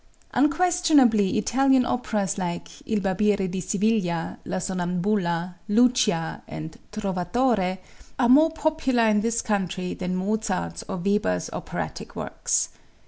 Unquestionably, Italian operas like "Il Barbiere di Siviglia," "La Sonnambula," "Lucia," and "Trovatore" are more popular in this country than Mozart's or Weber's operatic works.